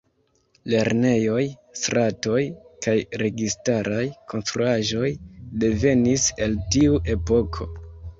Lernejoj, stratoj kaj registaraj konstruaĵoj devenis el tiu epoko.